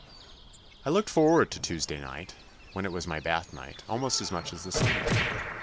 I looked forward to Tuesday night, which was my bath night, almost as much as to Sunday.